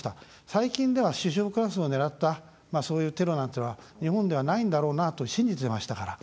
最近では首相クラスを狙ったそういうテロなんていうのは日本ではないんだろうなと信じてましたから。